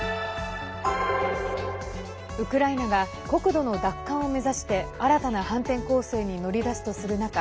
ウクライナが国土の奪還を目指して新たな反転攻勢に乗り出すとする中